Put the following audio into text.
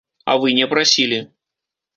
А вы не прасілі.